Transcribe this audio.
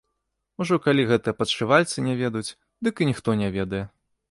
Ужо калі гэтыя падшывальцы не ведаюць, дык і ніхто не ведае.